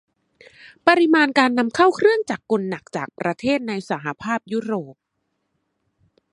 ปริมาณการนำเข้าเครื่องจักรกลหนักจากประเทศในสหภาพยุโรป